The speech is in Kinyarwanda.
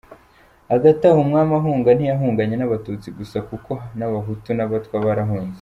Hagati aho Umwami ahunga ntiyahunganye n’abatutsi gusa kuko n’abahutu n’abatwa barahunze.